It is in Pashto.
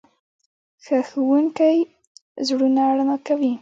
ښه ښوونکی زړونه رڼا کوي.